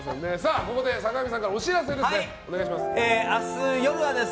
ここで坂上さんからお知らせです。